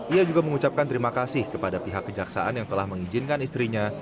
ia juga mengucapkan terima kasih kepada pihak kejaksaan yang telah mengizinkan istrinya